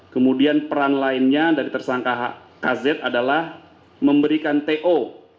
kemudian peran lainnya dari tersangka kz adalah memberikan to